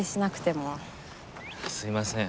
すいません